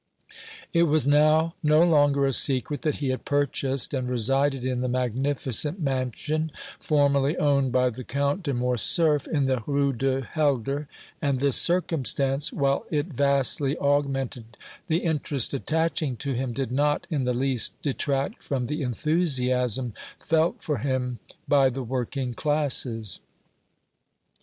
It was now no longer a secret that he had purchased and resided in the magnificent mansion formerly owned by the Count de Morcerf, in the Rue du Helder, and this circumstance, while it vastly augmented the interest attaching to him, did not in the least detract from the enthusiasm felt for him by the working classes.